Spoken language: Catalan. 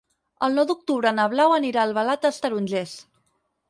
El nou d'octubre na Blau anirà a Albalat dels Tarongers.